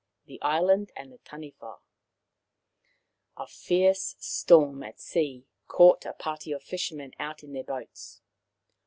THE ISLAND AND THE TANIWHA A fierce storm at sea caught a party of fisher men out in their boats.